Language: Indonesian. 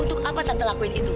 untuk apa sante lakuin itu